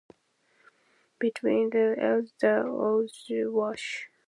Between them lies The Ouse Wash.